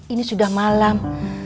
ini sudah malam